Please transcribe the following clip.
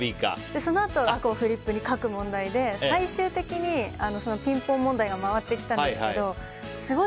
そのあとフリップに書く問題で最終的にピンポン問題が回ってきたんですが。